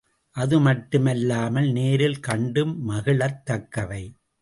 அது மட்டுமல்லாமல் நேரில் கண்டும் மகிழத் தக்கவை.